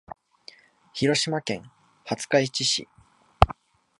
広島県廿日市市